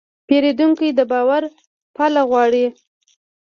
پیرودونکی د باور پله غواړي.